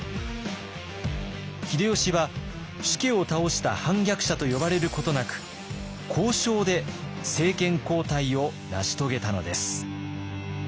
秀吉は主家を倒した反逆者と呼ばれることなく交渉で政権交代を成し遂げたのです。